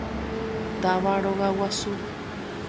Táva rogaguasu.